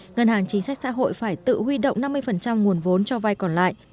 ngân hàng chính sách xã hội phải tự huy động năm mươi nguồn vốn cho vay còn lại